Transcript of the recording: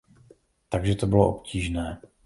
Takže to bylo obtížné.